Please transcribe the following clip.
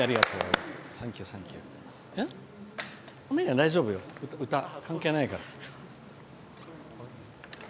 大丈夫よ、歌、関係ないから。